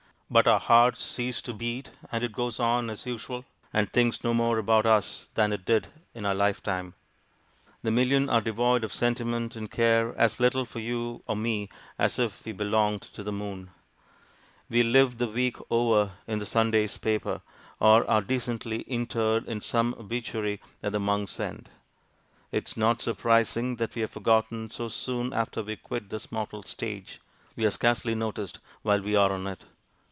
But our hearts cease to beat, and it goes on as usual, and thinks no more about us than it did in our lifetime. The million are devoid of sentiment, and care as little for you or me as if we belonged to the moon. We live the week over in the Sunday's paper, or are decently interred in some obituary at the month's end! It is not surprising that we are forgotten so soon after we quit this mortal stage; we are scarcely noticed while we are on it.